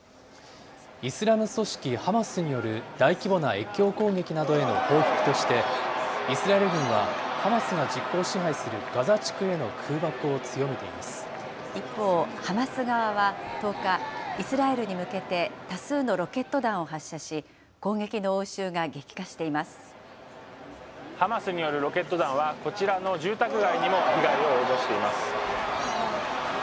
イスラム組織ハマスによる大規模な越境攻撃などへの報復として、イスラエル軍はハマスが実効支配するガザ地区への空爆を強めてい一方、ハマス側は１０日、イスラエルに向けて多数のロケット弾を発射し、ハマスによるロケット弾は、こちらの住宅街にも被害を及ぼしています。